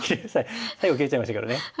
最後切れちゃいましたけどね。